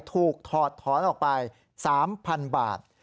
ถอดถอนออกไป๓๐๐๐บาท